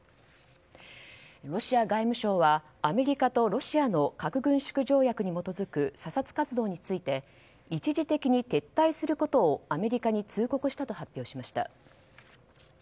ロシア外務省はアメリカとロシアの核軍縮条約に基づく査察活動について、一時的に撤退することをアメリカに通告したと発表しました。